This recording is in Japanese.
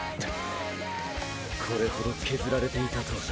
これほど削られていたとはな。